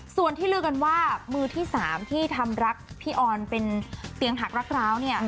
ส่วนที่ลือกันว่ามือที่๓ที่ทำรักพี่ออนเป็นเตียงหักรักร้าวเนี่ย